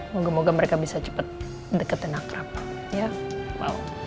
moga moga mereka bisa cepat deket dan akrab